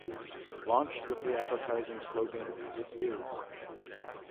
Launched with the advertising slogan It is.